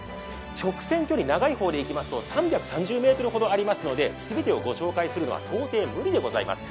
直線距離、長い方でいきますと３３０ｍほどありますのですべてをご紹介するのはとうてい無理でございます。